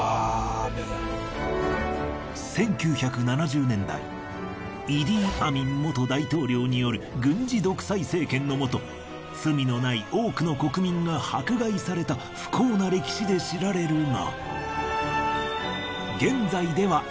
１９７０年代イディ・アミン元大統領による軍事独裁政権のもと罪のない多くの国民が迫害された不幸な歴史で知られるが。